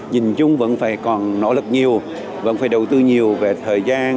nhìn chung vẫn phải còn nỗ lực nhiều vẫn phải đầu tư nhiều về thời gian